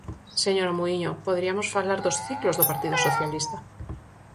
Señora Muíño, poderiamos falar dos ciclos do Partido Socialista.